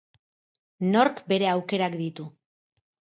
Nork bere aukerak ditu.